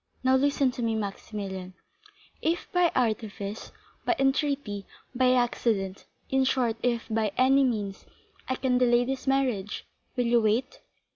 Now listen to me, Maximilian; if by artifice, by entreaty, by accident—in short, if by any means I can delay this marriage, will you wait?"